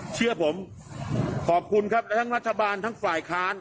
เชื่อผมขอบคุณครับและทั้งรัฐบาลทั้งฝ่ายค้าน